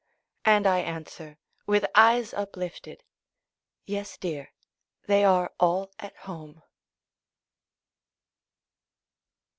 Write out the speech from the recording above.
And I answer, with eyes uplifted, "Yes, dear! they are all at home." MARGARET E.